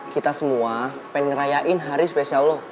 kita semua pengen ngerayain hari spesial allah